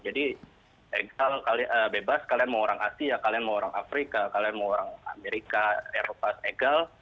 bebas kalian mau orang asia kalian mau orang afrika kalian mau orang amerika eropa segel